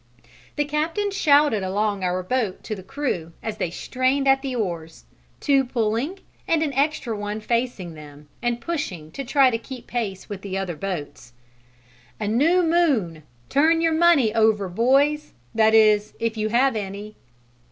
The captain shouted along our boat to the crew, as they strained at the oars, two pulling and an extra one facing them and pushing to try to keep pace with the other boats, "A new moon! Turn your money over, boys! That is, if you have any!"